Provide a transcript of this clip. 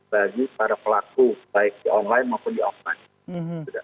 bagi para pelaku baik di online maupun di offline